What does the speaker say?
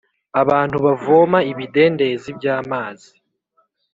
abantu bavoma Ibidendezi by’amazi,